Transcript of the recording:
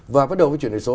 và bắt đầu với chuyển đổi số